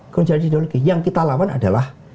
gonjangan ideologi yang kita lawan adalah